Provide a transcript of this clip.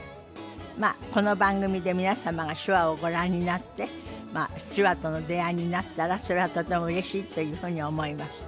まあこの番組で皆様が手話をご覧になって手話との出会いになったらそれはとてもうれしいというふうに思います。